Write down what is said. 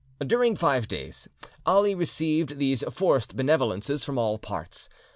During five days Ali received these forced benevolences from all parts.